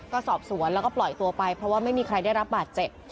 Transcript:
ก็สอบสวนแล้วก็ปล่อยตัวไปเพราะว่าไม่มีใครได้รับบาดเจ็บ